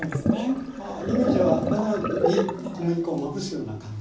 イメージはバターに小麦粉をまぶすような感じ。